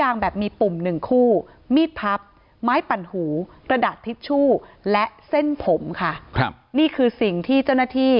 นี่คือสิ่งที่เจ้าหน้าที่